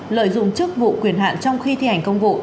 lợi dụng chức vụ quyền hạn trong khi thi hành công vụ